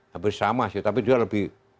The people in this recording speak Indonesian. hampir sama sih tapi dia lebih